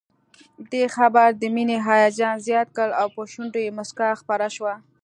دې خبر د مينې هيجان زيات کړ او پر شونډو يې مسکا خپره شوه